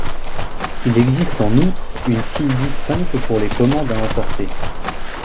Il existe en outre une file distincte pour les commandes à emporter.